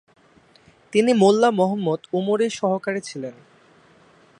তিনি মোল্লা মুহাম্মদ ওমরের সহকারী ছিলেন।